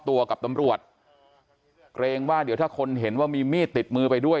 ตัวกับตำรวจเกรงว่าเดี๋ยวถ้าคนเห็นว่ามีมีดติดมือไปด้วย